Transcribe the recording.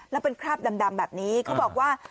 แล้วเป็นคราบดำแบบนี้เขาบอกว่า